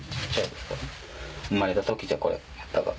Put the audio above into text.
生まれた時じゃこれ優太が。